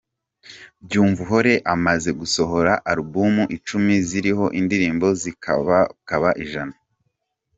Byumvuhore amaze gusohora album icumi ziriho indirimbo zikabakaba ijana.